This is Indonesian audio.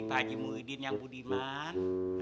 pagi muidin yang budiman